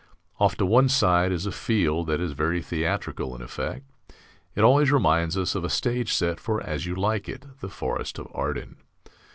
Off to one side is a field that is very theatrical in effect: it always reminds us of a stage set for "As You Like It," the Forest of Arden.